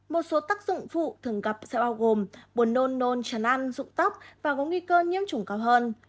một số tắc dụng phụ thường gặp sẽ bao gồm buồn nôn nôn chăn ăn dụng tóc và có nghi cơ nhiễm chủng cao hơn